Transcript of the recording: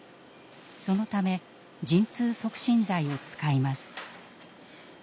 そのため陣痛促進剤を使います。